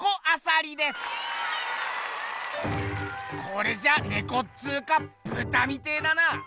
これじゃネコっつうかブタみてえだな！